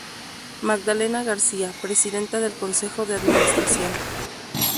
Magdalena García, Presidenta del Consejo de Administración.